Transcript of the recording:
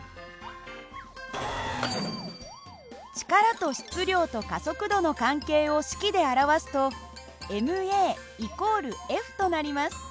力と質量と加速度の関係を式で表すとｍａ＝Ｆとなります。